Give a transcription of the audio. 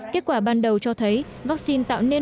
kết quả ban đầu cho thấy vaccine tạo nên